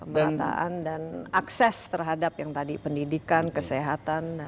merataan dan akses terhadap yang tadi pendidikan kesehatan